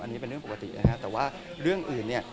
อันนี้เป็นเรื่องปกตินะครับแต่ว่าเรื่องอื่นเนี่ย